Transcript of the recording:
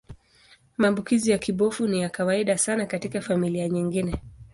Maambukizi ya kibofu ni ya kawaida sana katika familia nyingine.